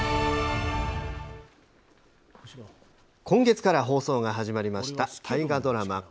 今月から放送が始まった大河ドラマ